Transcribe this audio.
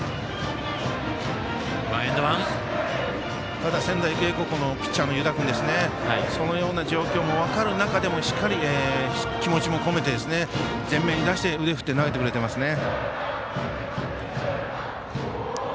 ただ、仙台育英のピッチャーの湯田君そのような状況も分かる中でもしっかり気持ちも込めて前面に出して、腕を振って投げてくれてますね。